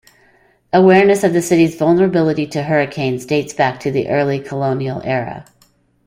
Awareness of the city's vulnerability to hurricanes dates back to the early Colonial era.